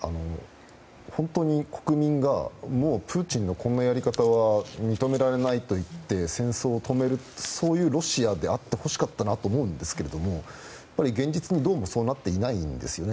本当に国民がもう、プーチンのこんなやり方は認められないと言って戦争を止めるそういうロシアであってほしかったなと思うんですけどやっぱり現実には、どうもそうなっていないんですよね。